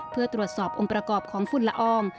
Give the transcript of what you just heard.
เพื่อตรวจสอบองค์ประกอบของฝุ่นละออง